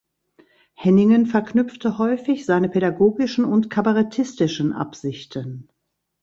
Henningen verknüpfte häufig seine pädagogischen und kabarettistischen Absichten.